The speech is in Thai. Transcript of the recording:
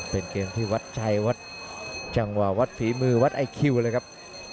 เป็นเกมที่วัดชัยวัดจังหวะวัดฝีมือวัดไอคิวเลยครับ